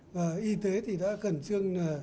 và y tế thì đã khẩn trương